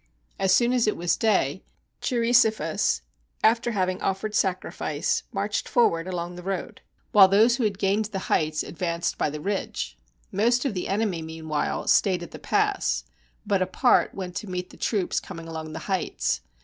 As soon as it was day, Cheirisophus, after having offered sacrifice, marched forward along the road; while 170 THE TEN THOUSAND COME TO THE SEA those who had gained the heights advanced by the ridge. Most of the enemy, meanwhile, stayed at the pass, but a part went to meet the troops coming along the heights.